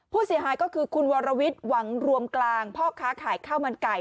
ผู้เสียหายก็คือคุณวรวิทย์หวังรวมกลางพ่อค้าขายข้าวมันไก่